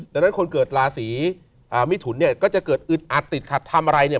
ดังนั้นคนเกิดราศีมิถุนเนี่ยก็จะเกิดอึดอัดติดขัดทำอะไรเนี่ย